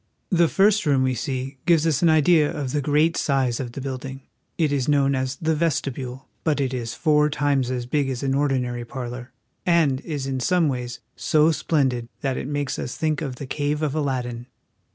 The first room we see gives us an idea of the great size of the building. It is known as the Vestibule ; but it is four times as big as an ordinary parlor, and is in some ways so splendid that it makes us think of the cave of Aladdin.